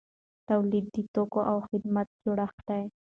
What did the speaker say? تولید د توکو او خدماتو جوړښت دی.